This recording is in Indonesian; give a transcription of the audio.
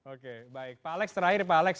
oke baik pak alex terakhir pak alex